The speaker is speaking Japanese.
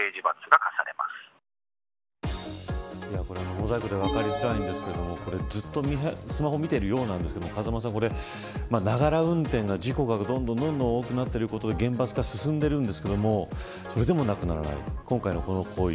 モザイクで分かりづらいんですがずっとスマホを見ているようなんですが風間さんながら運転の事故がどんどん多くなっていることで厳罰化が進んでいるんですけどそれでもなくならない。